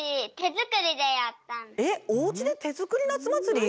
えっおうちでてづくりなつまつり？